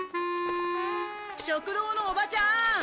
食堂のおばちゃん！